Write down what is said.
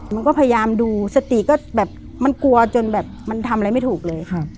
มันก็พยายามดูสติก็แบบมันกลัวจนแบบมันทำอะไรไม่ถูกเลย